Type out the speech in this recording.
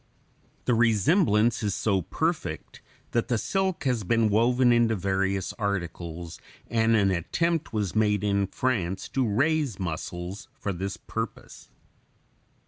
The resemblance is so perfect that the "silk" has been woven into various articles, and an attempt was made in France to raise mussels for this purpose.